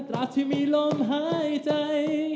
รักที่มีลมหายใจ